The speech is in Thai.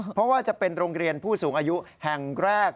เพราะว่าจะเป็นโรงเรียนผู้สูงอายุแห่งแรก